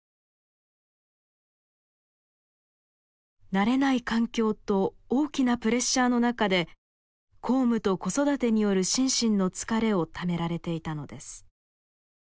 慣れない環境と大きなプレッシャーの中で公務と子育てによる心身の疲れをためられていたのです。